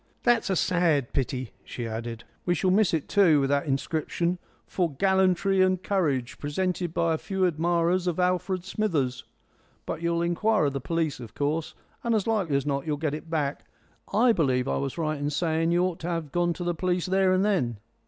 "That's a sad pity," she added; "we shall miss it too, with that inscription, 'For Gallantry and Courage; Presented by a Few Admirers of Alfred Smithers.' But you'll inquire of the police, of course, and as likely as not you'll get it back. I believe I was right in saying you ought to have gone to the police there and then."